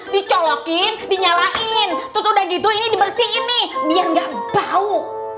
dicolokin dinyalain terus udah gitu ini dibersihin nih biar gak bau